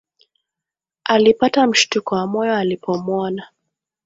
Alipata mshtuko wa moyo alipomwona